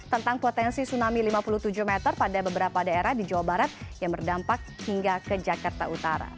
tentang potensi tsunami lima puluh tujuh meter pada beberapa daerah di jawa barat yang berdampak hingga ke jakarta utara